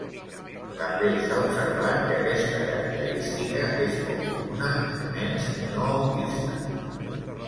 També s'ha observat que aquesta característica és molt comuna en nens no autistes.